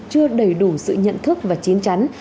chưa đầy đủ sự nhận thức và chiến trắn